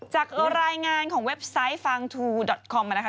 จากรายงานของเว็บไซต์ฟางทูดอทคอมมานะคะ